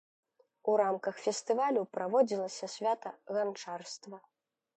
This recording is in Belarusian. У рамках фестывалю праводзілася свята ганчарства.